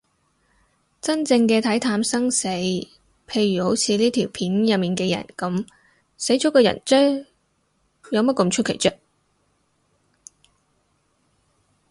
真正嘅睇淡生死，譬如好似呢條片入面嘅人噉，死咗個人嗟，有乜咁出奇啫